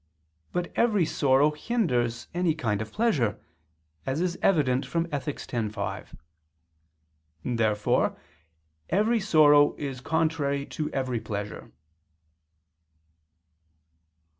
But every sorrow hinders any kind of pleasure: as is evident from Ethic. x, 5. Therefore every sorrow is contrary to every pleasure.